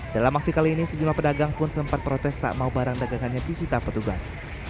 dalam aksi kali ini sejumlah pedagang pun sempat protes tak mau barang dagangannya disita petugas